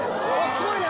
すごいね！